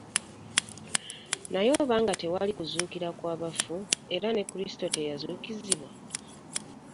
Naye oba nga tewali kuzuukira kwa bafu, era ne Kristo teyazuukizibwa.